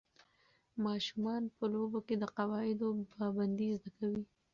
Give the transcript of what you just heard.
ماشومان په لوبو کې د قواعدو پابندۍ زده کوي.